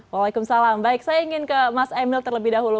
waalaikumsalam baik saya ingin ke mas emil terlebih dahulu